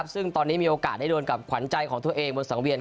ซึ่งตอนนี้มีโอกาสได้โดนกับขวัญใจของตัวเองบนสังเวียน